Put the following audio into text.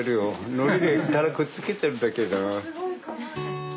のりでただくっつけてるだけだ。